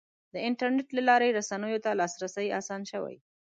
د انټرنیټ له لارې رسنیو ته لاسرسی اسان شوی.